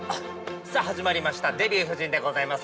さあ始まりました「デビュー夫人」でございます。